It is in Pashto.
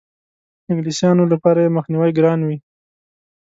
انګلیسیانو لپاره یې مخنیوی ګران وي.